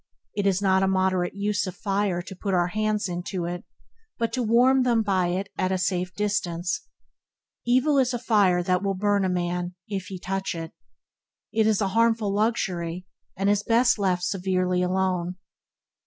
It is not a moderate use of fire to put our hands into it, but to warm them by it at a safe distance. Evil is a fire that will burn a man though he but touch it. a harmful luxury is best left severely alone.